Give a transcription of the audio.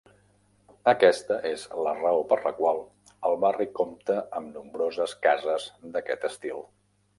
Aquesta és la raó per la qual el barri compta amb nombroses cases d'aquest estil.